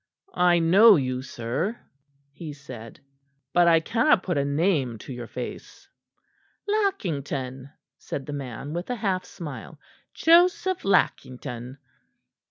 "I know you, sir," he said, "but I cannot put a name to your face." "Lackington," said the man with a half smile; "Joseph Lackington."